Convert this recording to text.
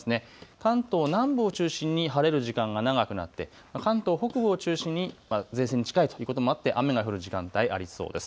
関東南部を中心に晴れる時間が長くなって関東北部を中心に前線に近いということもあって雨が降る時間帯ありそうです。